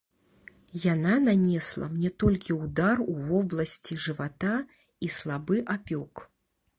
Яна нанесла мне толькі ўдар ў вобласці жывата і слабы апёк.